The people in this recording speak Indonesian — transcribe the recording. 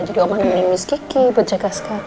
jadi om maik nemuin miss kiki buat jaga askara